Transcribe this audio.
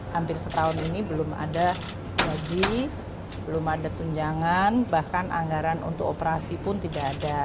hampir setahun ini belum ada gaji belum ada tunjangan bahkan anggaran untuk operasi pun tidak ada